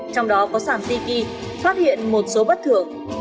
trong đó có sản tv phát hiện một số bất thường